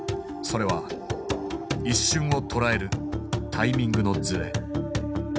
それは一瞬をとらえるタイミングのズレ。